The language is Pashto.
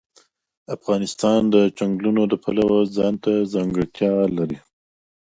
افغانستان د چنګلونه د پلوه ځانته ځانګړتیا لري.